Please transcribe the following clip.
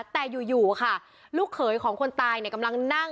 แต่อยู่ค่ะลูกเขยของคนตายกำลังนั่ง